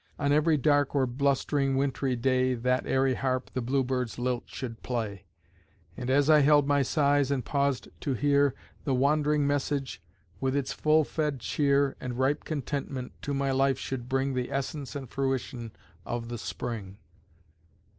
On every dark or blust'ring wintry day That airy harp the bluebird's lilt should play; And as I held my sighs and paused to hear, The wand'ring message, with its full fed cheer And ripe contentment, to my life should bring The essence and fruition of the Spring.